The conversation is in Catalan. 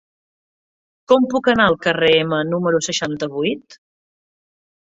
Com puc anar al carrer Ema número seixanta-vuit?